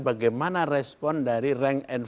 bagaimana respon dari rank and